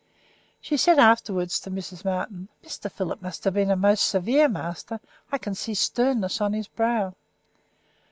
She said afterwards to Mrs. Martin, "Mr. Philip must have been a most severe master; I can see sternness on his brow."